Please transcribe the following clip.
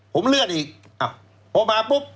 ผมเลื่อนอีกพอมาปุ๊บ